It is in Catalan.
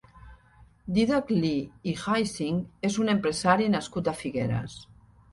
Dídac Lee i Hsing és un empresari nascut a Figueres.